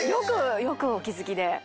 よくお気付きで。